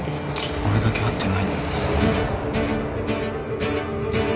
俺だけ会ってないんだ